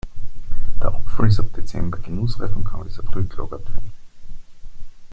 Der Apfel ist ab Dezember genussreif und kann bis April gelagert werden.